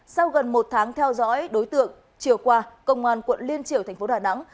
sau gần một tháng theo dõi đối tượng chiều qua công an quận liên triều thành phố đà nẵng